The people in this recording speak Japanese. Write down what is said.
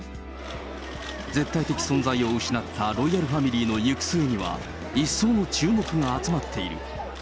絶対的存在を失ったロイヤルファミリーの行く末には、一層の注目が集まっている。